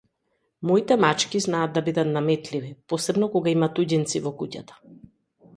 Моите мачки знаат да бидат наметливи, посебно кога има туѓинци во куќата.